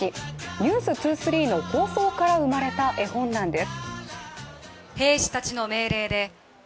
「ｎｅｗｓ２３」の放送から生まれた絵本なんです。